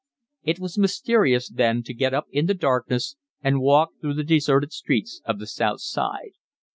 It was mysterious then to get up in the darkness and walk through the deserted streets of the South Side.